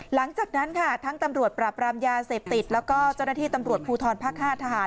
หลังจากนั้นค่ะทั้งตำรวจปราบรามยาเสพติดแล้วก็เจ้าหน้าที่ตำรวจภูทรภาค๕ทหาร